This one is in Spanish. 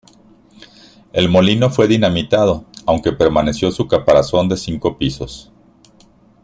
El molino fue dinamitado, aunque permaneció su caparazón de cinco pisos.